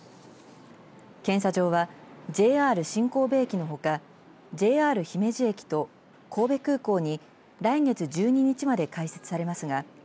検査場はＪＲ新神戸駅のほかＪＲ姫路駅と神戸空港に来月１２日まで開設されますが